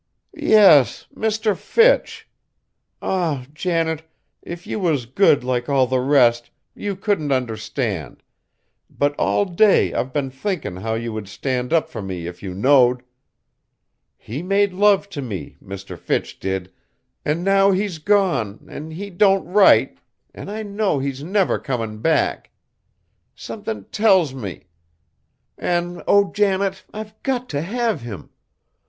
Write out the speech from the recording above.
"Yes, Mr. Fitch. Ah! Janet, if you was good like all the rest, you couldn't understand, but all day I've been thinkin' how you would stand up fur me if you knowed! He made love t' me, Mr. Fitch did, an' now he's gone, an' he don't write, an' I know he's never comin' back. Somethin' tells me. An' oh! Janet, I've got t' have him!